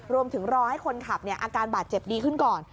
รวมถึงรอให้คนขับเนี้ยอาการบาดเจ็บดีขึ้นก่อน